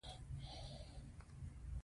دویمه برخه د سیاسي قدرت تحلیل دی.